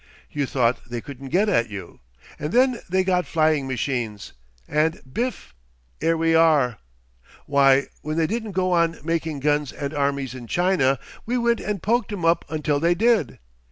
You thought they couldn't get at you. And then they got flying machines. And bif! 'ere we are. Why, when they didn't go on making guns and armies in China, we went and poked 'em up until they did.